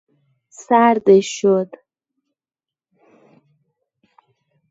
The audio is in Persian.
سردش شد.